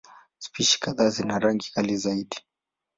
Spishi kadhaa zina rangi kali zaidi.